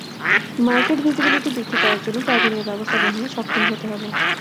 Market visibility বৃদ্ধি করার জন্য প্রয়োজনীয় ব্যবস্থাপনা গ্রহণে সক্ষম হতে হবে।